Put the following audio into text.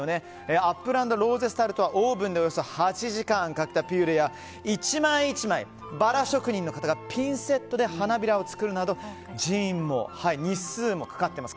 アップル＆ローゼスタルトはオーブンでおよそ８時間かけたピューレや１枚１枚、バラ職人の方がピンセットで花びらを作るなど人員も日数もかかっています。